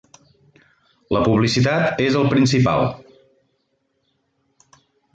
La publicitat és el principal.